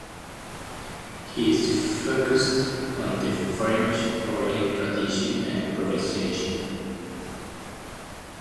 He is focused on the French organ tradition and improvisation.